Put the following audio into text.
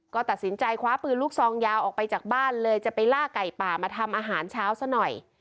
ก็ตัดสินใจคว้าปืนลูกซองยาวออกไปจากบ้านเลยจะไปล่าไก่ป่ามาทำอาหารเช้าซะหน่อย